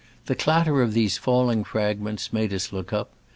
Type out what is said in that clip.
The clatter of these falling fragments made us look up.